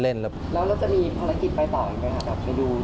แล้วเราจะมีภารกิจไปต่ออีกไหมคะกลับไปดู